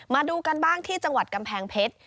มาดูกันบ้างที่จังหวัดกำแพงเพชร